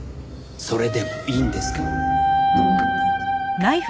それでもいいんですか？